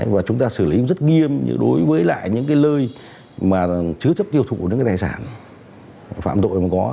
và chúng ta xử lý rất nghiêm đối với lại những cái lơi mà chứa chấp tiêu thụ những cái tài sản phạm tội mà có